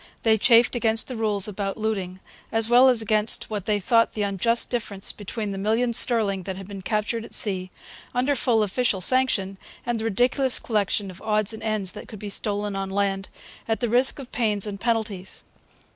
They chafed against the rules about looting, as well as against what they thought the unjust difference between the million sterling that had been captured at sea, under full official sanction, and the ridiculous collection of odds and ends that could be stolen on land, at the risk of pains and penalties.